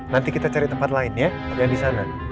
nanti kita cari tempat lain ya yang di sana